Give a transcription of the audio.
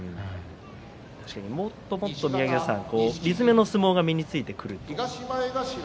確かにもっと理詰めの相撲が身についてくると。